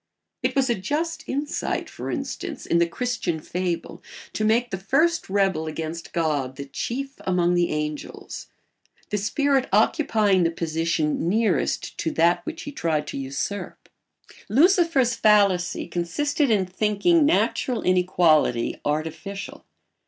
It was a just insight, for instance, in the Christian fable to make the first rebel against God the chief among the angels, the spirit occupying the position nearest to that which he tried to usurp. Lucifer's fallacy consisted in thinking natural inequality artificial.